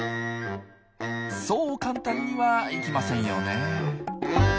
そう簡単にはいきませんよね。